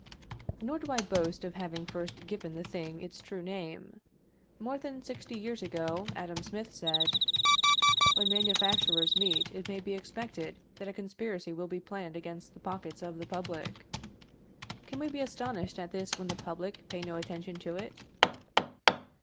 Nor do I boast of having first given this thing its true name. More than sixty years ago, Adam Smith said: "When manufacturers meet it may be expected that a conspiracy will be planned against the pockets of the public." Can we be astonished at this when the public pay no attention to it?